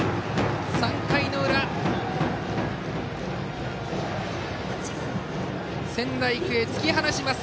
３回の裏、仙台育英突き放します！